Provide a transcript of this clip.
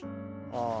ああ。